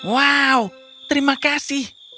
wow terima kasih